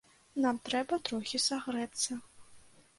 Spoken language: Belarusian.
Нам трэба трохі сагрэцца.